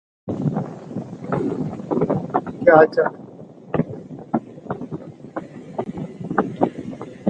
हा आवाज जवळ असलेल्या मुलांनी ऐकिला.